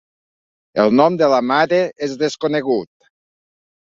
El nom de la mare és desconegut.